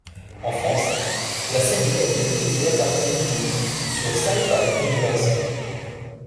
En France, la série a été diffusée à partir du sur Syfy Universal.